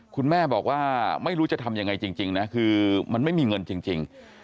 คุณแม่บอกว่าไม่รู้จะทำยังไงจริงนะคือมันไม่มีเงินจริง